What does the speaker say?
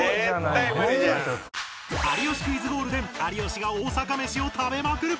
『有吉クイズ』ゴールデン有吉が大阪メシを食べまくる！